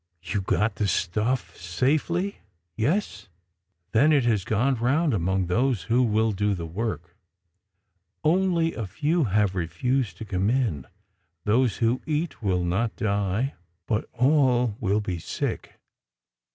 "You got the stuff safely? Yes? Then it has gone round among those who will do the work. Only a few have refused to come in. Those who eat will not die, but all will be sick.